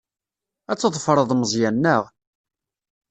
Ad tḍefreḍ Meẓyan, naɣ?